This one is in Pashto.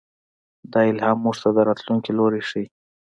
دا الهام موږ ته د راتلونکي لوری ښيي.